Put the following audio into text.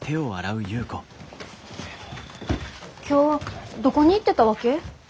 今日どこに行ってたわけ？